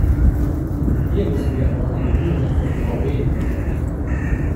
Hier müssen wir auch die Bemühungen von Frau Reding hervorheben.